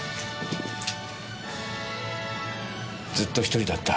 ずっと１人だった。